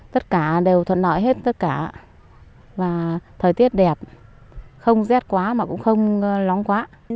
thời tiết đẹp không rét quá mà cũng không lóng quá